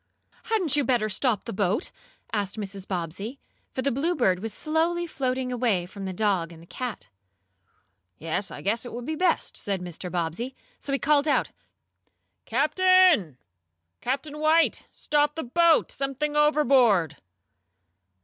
"Hadn't you better stop the boat?" asked Mrs. Bobbsey, for the Bluebird was slowly floating away from the dog and the cat. "Yes, I guess it would be best," said Mr. Bobbsey. So he called out: "Captain! Captain White! Stop the boat! Something overboard!"